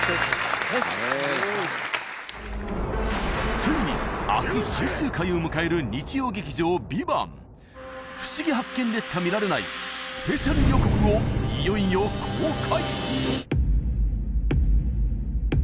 すごいついに明日最終回を迎える日曜劇場「ＶＩＶＡＮＴ」「ふしぎ発見！」でしか見られないスペシャル予告をいよいよ公開！